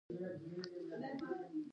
د نرګس ګل د څه لپاره وکاروم؟